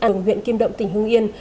ở huyện kim động tỉnh hương yên